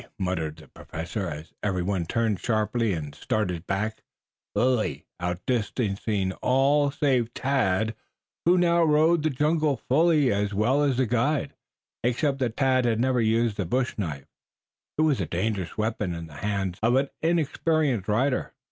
muttered the Professor, as everyone turned sharply and started back, Lilly outdistancing all save Tad, who now rode the jungle fully as well as the guide, except that Tad had never used the bush knife. It was a dangerous weapon in the hands of an inexperienced rider.